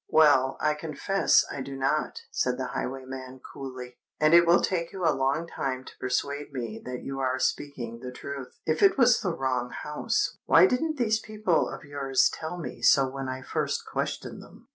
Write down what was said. "Well—I confess I do not," said the highwayman coolly; "and it will take you a long time to persuade me that you are speaking the truth. If it was the wrong house, why didn't these people of yours tell me so when I first questioned them?"